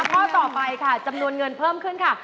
ข้อต่อไปค่ะจำนวนเงินเพิ่มขึ้นค่ะ